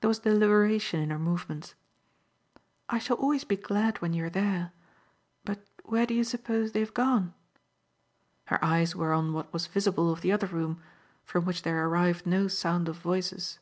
There was deliberation in her movements. "I shall always be glad when you're there. But where do you suppose they've gone?" Her eyes were on what was visible of the other room, from which there arrived no sound of voices.